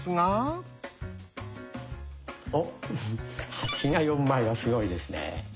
「８」が４枚はすごいですね。